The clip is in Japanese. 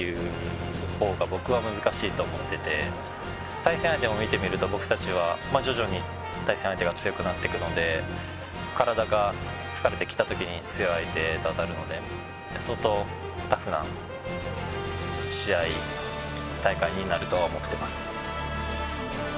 対戦相手を見てみると僕たちは徐々に対戦相手が強くなっていくので体が疲れてきた時に強い相手と当たるので相当タフな試合大会になるとは思っています。